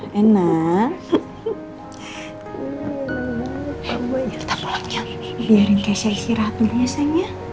biarin keisha istirahat dulu ya sayang ya